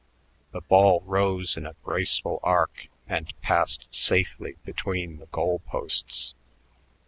The ball rose in a graceful arc and passed safely between the goal posts.